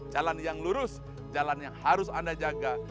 jalan yang lurus jalan yang harus anda jaga